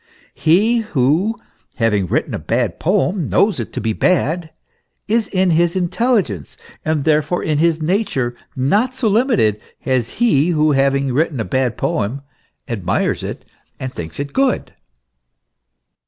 He who having written a bad poem knows it to be bad, is in his intel ligence, and therefore in his nature, not so limited as he who, having written a bad poem, admires it and thinks it good.